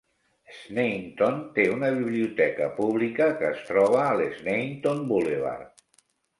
Sneinton té una biblioteca pública, que es troba al Sneinton Boulevard.